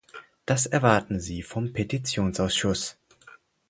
Das erwarten sie vom Petitionsausschuss.